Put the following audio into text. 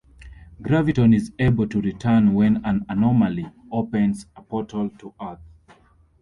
Graviton is able to return when an anomaly opens a portal to Earth.